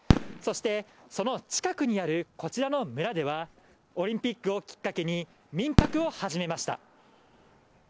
そしてその近くにあるこちらの村では、オリンピックをきっかけに、民泊を始めました。